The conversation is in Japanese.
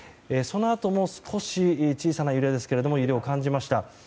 そのあとも少し小さな揺れですが揺れを感じました。